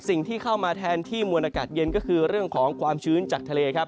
สิ่งที่เข้ามาแทนที่มวลอากาศเย็นก็คือเรื่องของความชื้นจากทะเลครับ